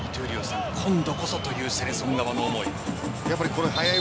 闘莉王さん、今度こそというセレソン側の思い。